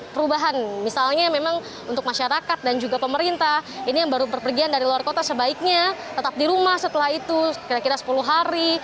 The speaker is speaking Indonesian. perubahan misalnya memang untuk masyarakat dan juga pemerintah ini yang baru berpergian dari luar kota sebaiknya tetap di rumah setelah itu kira kira sepuluh hari